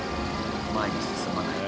前に進まないと。